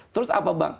terus apa bang